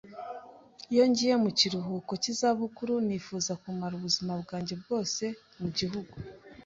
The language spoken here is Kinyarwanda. Iyo ngiye mu kiruhuko cy'izabukuru, nifuza kumara ubuzima bwanjye bwose mu gihugu.